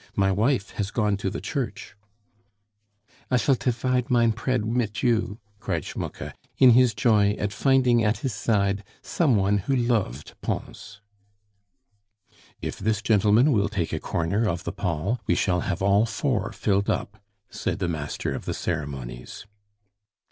My wife has gone to the church." "I shall difide mein pread mit you," cried Schmucke, in his joy at finding at his side some one who loved Pons. "If this gentleman will take a corner of the pall, we shall have all four filled up," said the master of the ceremonies.